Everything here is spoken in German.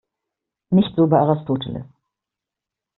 Nicht so bei Aristoteles.